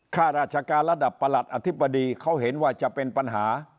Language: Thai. ข้าราชการระดับประหลัดอธิบดีเขาเห็นว่าจะเป็นปัญหา